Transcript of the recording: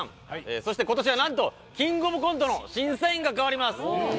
そして今年は何と「キングオブコント」の審査員が変わります